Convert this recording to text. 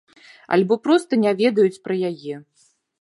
Альбо проста не ведаюць пра яе.